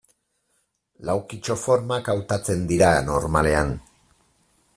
Laukitxo formak hautatzen dira normalean.